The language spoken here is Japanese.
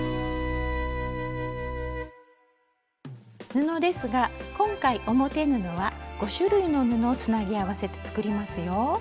布ですが今回表布は５種類の布をつなぎ合わせて作りますよ。